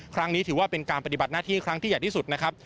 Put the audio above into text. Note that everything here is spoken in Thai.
ครั้งนี้ถือว่าเป็นการปฏิบัติหน้าที่ครั้งที่ใหญ่ที่สุดนะครับ